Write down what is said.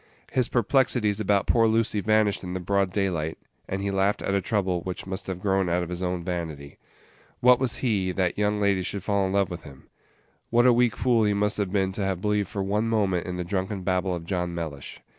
His perplexities about poor Lucy vanished in the broad daylight, and he laughed at a trouble which must have grown out of his own vanity. What was he, that young ladies should fall in love with him? What a weak fool he must have been to have believed for one moment in the drunken babble of John Mellish!